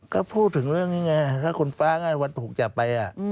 ก็พูดถึงเรื่องนี้ไงถ้าคุณฟ้าไงวัน๖จะไป